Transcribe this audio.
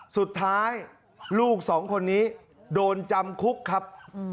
สุดท้ายลูกสองคนนี้โดนจำคุกครับ